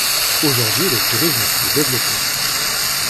Aujourd'hui le tourisme s'y est développé.